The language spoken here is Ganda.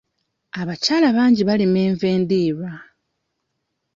Abakyala bangi balima enva endiirwa.